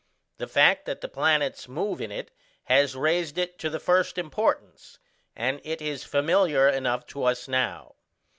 The fact that the planets move in it has raised it to the first importance, and it is familiar enough to us now.